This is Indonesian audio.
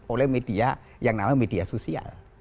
oleh media yang namanya media sosial